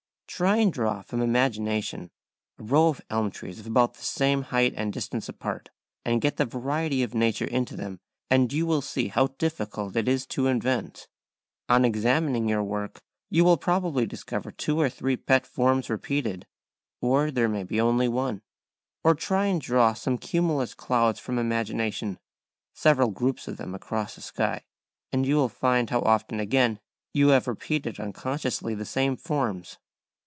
Try and draw from imagination a row of elm trees of about the same height and distance apart, and get the variety of nature into them; and you will see how difficult it is to invent. On examining your work you will probably discover two or three pet forms repeated, or there may be only one. Or try and draw some cumulus clouds from imagination, several groups of them across a sky, and you will find how often again you have repeated unconsciously the same forms.